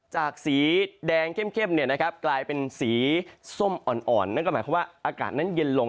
จากสีแดงเข้มกลายเป็นสีส้มอ่อนนึกออกมาว่าอากาศนั้นเย็นลง